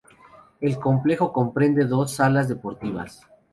El complejo comprende dos salas deportivas.